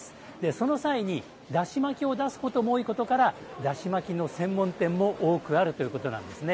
その際に、だし巻きを出すことも多いことからだし巻きの専門店も多くあるということなんですね。